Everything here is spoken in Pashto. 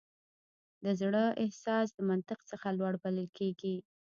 د زړه احساس د منطق څخه لوړ بلل کېږي.